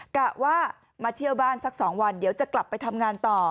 กะว่ามาเที่ยวบ้านสัก๒วันเดี๋ยวจะกลับไปทำงานต่อ